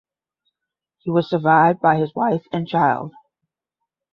He was survived by his wife and child.